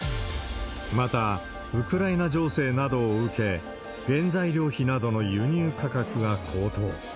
また、ウクライナ情勢などを受け、原材料費などの輸入価格が高騰。